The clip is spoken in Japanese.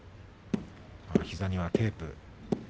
膝にはテープ。